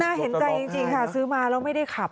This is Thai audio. เห็นใจจริงค่ะซื้อมาแล้วไม่ได้ขับ